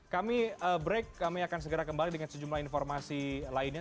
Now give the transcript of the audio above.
kami break kami akan segera kembali dengan sejumlah informasi lainnya